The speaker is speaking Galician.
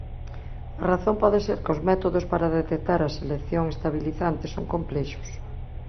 A razón pode ser que os métodos para detectar a selección estabilizante son complexos.